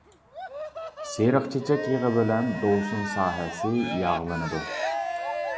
سېرىقچېچەك يېغى بىلەن دوۋسۇن ساھەسى ياغلىنىدۇ.